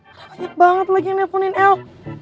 kenapa banyak banget lagi yang nepenin el